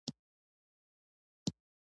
د اقتصادي فرصتونو هم متفاوتې پایلې لرلې.